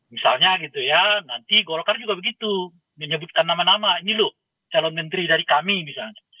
misalnya gitu ya nanti golkar juga begitu menyebutkan nama nama ini loh calon menteri dari kami misalnya